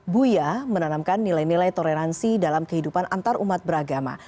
buya menanamkan nilai nilai toleransi dalam kehidupan antarumat beragama